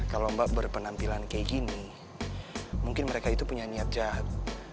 kalau mbak berpenampilan kayak gini mungkin mereka itu punya niat jahat